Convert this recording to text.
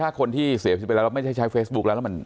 ถ้าคนที่เสียชีวิตไปแล้วแล้วไม่ใช่ใช้เฟซบุ๊กแล้วแล้วมัน